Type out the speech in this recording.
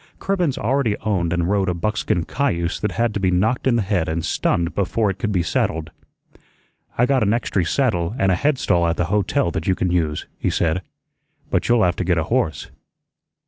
Cribbens already owned and rode a buckskin cayuse that had to be knocked in the head and stunned before it could be saddled. "I got an extry saddle an' a headstall at the hotel that you can use," he said, "but you'll have to get a horse."